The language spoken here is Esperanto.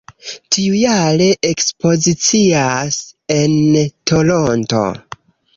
Tiujare ekspozicias en Toronto.